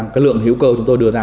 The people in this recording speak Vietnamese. cái lượng hữu cơ chúng tôi đưa ra